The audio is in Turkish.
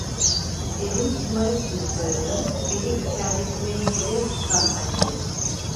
Evin şımarık çocuklarının beni içerletmeyi hedef tutan halleri...